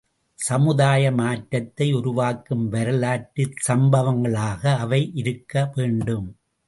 சமுதாய மாற்றத்தை உருவாக்கும் வரலாற்றுச் சம்பவங்களாக அவை இருக்க வேண்டும்.